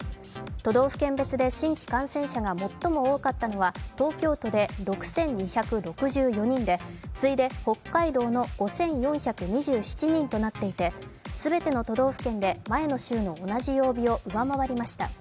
都道府県別で新規感染者が最も多かったのは東京都で６２６４人で、次いで北海道の５４２７人となっていて、全ての都道府県で前の週の同じ曜日を上回りました。